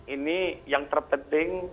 ini yang terpenting